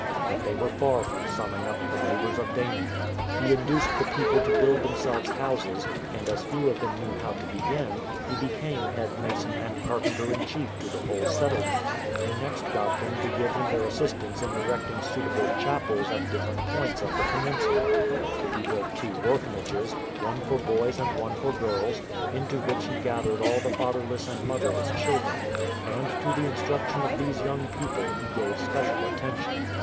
But they were far from summing up the labours of Damien. He induced the people to build themselves houses, and as few of them knew how to begin, he became head mason and carpenter in chief to the whole settlement. He next got them to give him their assist u 305 WHAT WAS DAMIEN LIKE? ance in erecting suitable chapels at different points of the peninsula. He built two orphanages, one for boys and one for girls, into which he gathered all the fatherless and motherless children ; and to the instruction of these young people he gave special attention.